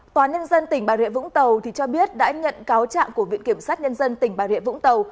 tòa nhân dân tỉnh bà rịa vũng tàu cho biết đã nhận cáo trạng của viện kiểm sát nhân dân tỉnh bà rịa vũng tàu